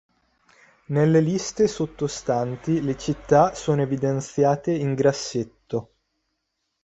Nelle liste sottostanti le città sono evidenziate in grassetto.